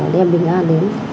đem bình an đến